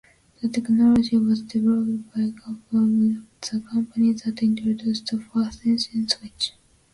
The technology was developed by Kalpana, the company that introduced the first Ethernet switch.